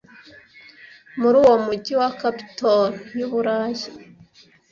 Muri uwo mujyi wa capitol yu Burayi